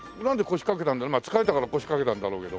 まあ疲れたから腰掛けたんだろうけど。